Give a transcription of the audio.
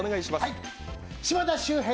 島田秀平